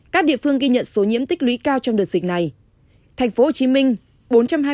các địa phương ghi nhận số nhiễm tích lũy cao trong đợt dịch này